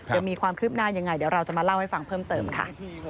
เดี๋ยวมีความคืบหน้ายังไงเดี๋ยวเราจะมาเล่าให้ฟังเพิ่มเติมค่ะ